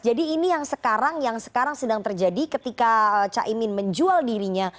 jadi ini yang sekarang sedang terjadi ketika caimin menjual dirinya